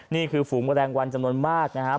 ฝูงแมลงวันจำนวนมากนะครับ